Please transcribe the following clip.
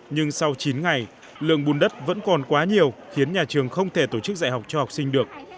nhưng sau chín ngày lượng bùn đất vẫn còn quá nhiều khiến nhà trường không thể tổ chức dạy học cho học sinh được